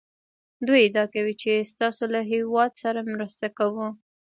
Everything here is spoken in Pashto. دوی ادعا کوي چې ستاسو له هېواد سره مرسته کوو